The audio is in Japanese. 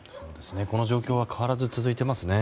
この状況は変わらず続いていますね。